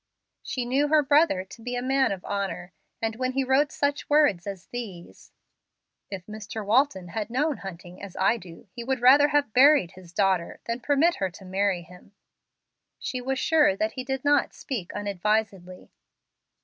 She knew her brother to be a man of honor, and when he wrote such words as these, "If Mr. Walton had known Hunting as I do he would rather have buried his daughter than permit her to marry him," she was sure that he did not speak unadvisedly.